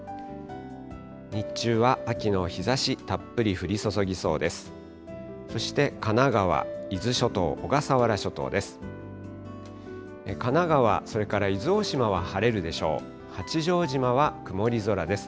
日中は秋の日ざしたっぷり降り注ぎそうです。